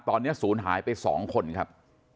ตอนนี้ศูนย์หายไป๒คนครับ